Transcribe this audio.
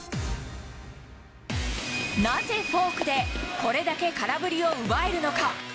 なぜフォークでこれだけ空振りを奪えるのか。